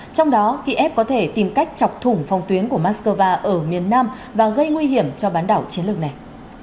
trong đó kiev có thể tìm cách chọc thủng phòng tuyến của moscow ở miền nam và gây nguy hiểm cho bán đảo chiến lược này